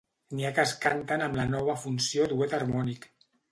N'hi ha que es canten amb la nova funció duet harmònic.